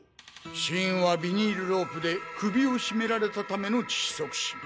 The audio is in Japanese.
死因はビニールロープで首を絞められたための窒息死。